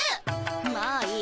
まあいい。